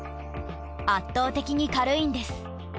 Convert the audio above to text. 圧倒的に軽いんです。